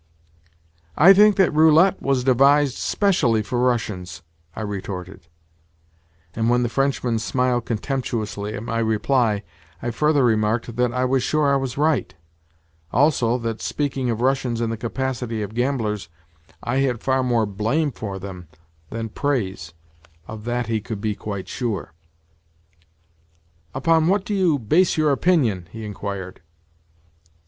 "I think that roulette was devised specially for Russians," I retorted; and when the Frenchman smiled contemptuously at my reply I further remarked that I was sure I was right; also that, speaking of Russians in the capacity of gamblers, I had far more blame for them than praise—of that he could be quite sure. "Upon what do you base your opinion?" he inquired.